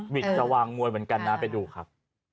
วิทย์สว่างมวยเหมือนกันนะไปดูครับ